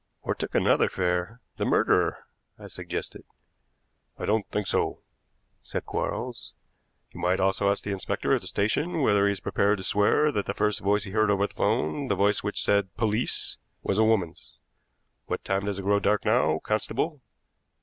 "Or took another fare the murderer," I suggested. "I don't think so," said Quarles. "You might also ask the inspector at the station whether he is prepared to swear that the first voice he heard over the 'phone the voice which said 'police' was a woman's. What time does it grow dark now, constable?"